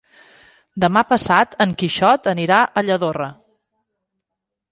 Demà passat en Quixot anirà a Lladorre.